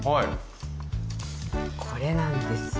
これなんですよ。